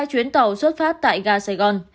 sẽ có hai chuyến tàu xuất phát tại gà sài gòn